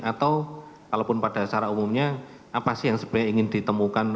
atau kalaupun pada secara umumnya apa sih yang sebenarnya ingin ditemukan